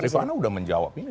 barifana sudah menjawab ini